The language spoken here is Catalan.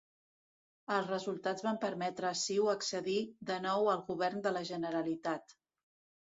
Els resultats van permetre a CiU accedir de nou al Govern de la Generalitat.